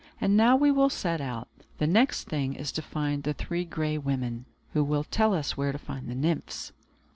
And now we will set out. The next thing is to find the Three Gray Women, who will tell us where to find the Nymphs."